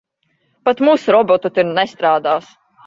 Pat mūsu roboti tur nestrādās.